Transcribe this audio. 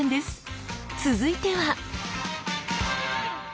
続いては。